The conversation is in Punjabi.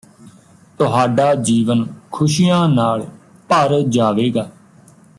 ਤੁਹਾਡਾ ਜੀਵਨ ਖੁਸ਼ੀਆਂ ਨਾਲ ਭਰ ਜਾਵੇਗਾ